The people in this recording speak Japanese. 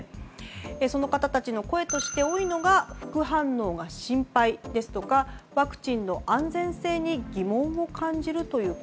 その方たちの声として多いのが副反応が心配ですとかワクチンの安全性に疑問を感じるという声。